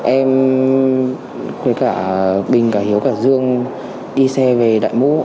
em khuê cả bình cả hiếu cả dương đi xe về đại mũ